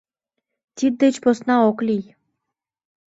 — Тиддеч посна ок лий.